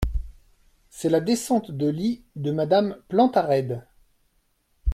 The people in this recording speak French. C’est la descente de lit de Madame Plantarède.